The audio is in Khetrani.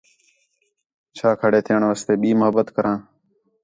چھا کھڑ تھیݨ واسطے ٻئی محبت کراں